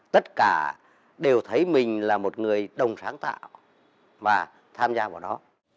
tất cả đều thấy mình là một người đồng sáng tạo và tham gia vào nó